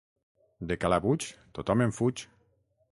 De Calabuig, tothom en fuig.